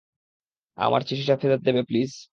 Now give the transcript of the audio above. আমার চিঠিটা ফেরত দেবে, প্লিজ?